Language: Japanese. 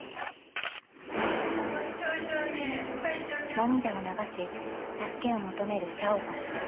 ［涙を流し助けを求めるシャオホン］